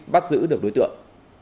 bắt giữ được đối tượng